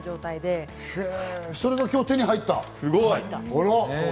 それが今日手に入った。